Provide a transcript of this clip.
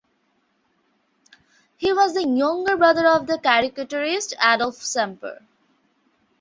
He was the younger brother of the caricaturist Adolfo Samper.